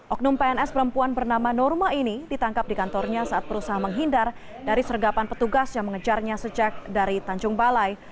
oknum pns perempuan bernama norma ini ditangkap di kantornya saat berusaha menghindar dari sergapan petugas yang mengejarnya sejak dari tanjung balai